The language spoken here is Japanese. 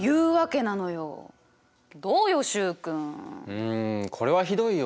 うんこれはひどいよ。